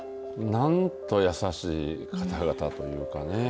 何と優しい方々というかね。